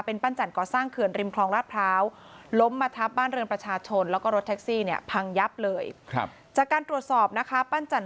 เป็นปั้นจันทร์ก่อสร้างเขื่อนริมคลองราดพร้าวล้มมาทับบ้านเรือนประชาชน